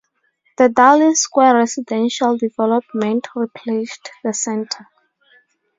The Darling Square residential development replaced the Centre.